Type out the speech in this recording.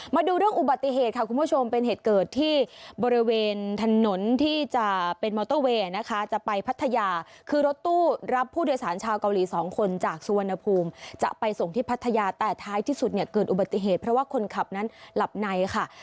มาดูเรื่องอุบัติเหตุค่ะคุณผู้ชมเป็นเหตุเกิดที่บริเวณถนนที่จะเป็นมอเตอร์เวย์นะคะจะไปพัทยาคือรถตู้รับผู้โดยสารชาวเกาหลีสองคนจากสุวรรณภูมิจะไปส่งที่พัทยาแต่ท้ายที่สุดเนี่ยเกิดอุบัติเหตุเพราะว่าคนขับนั้นหลับในค่ะ